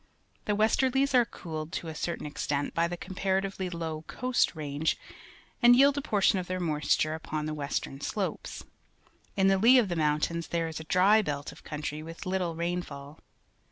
The westerlies are cooled to a certain extent by the comparati\'ely low Coast Range and yield a portion of their moisture upon the western slopes. In the lee of the mountains there is a dry belt of country with little rainfall.